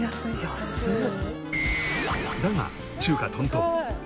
安っ！